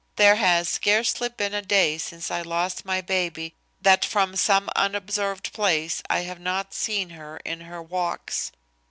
There has scarcely been a day since I lost my baby that from some unobserved place I have not seen her in her walks.